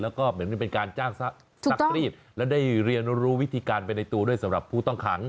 แล้วก็เหมือนเป็นการจ้างซักรีดและได้เรียนรู้วิธีการไปในตัวด้วยสำหรับผู้ต้องขัง